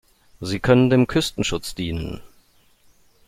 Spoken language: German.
Sie können dem Küstenschutz dienen.